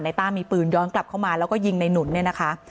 ต้ามีปืนย้อนกลับเข้ามาแล้วก็ยิงในหนุนเนี่ยนะคะ